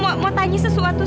aksan aku mau tanya sesuatu